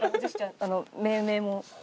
命名も。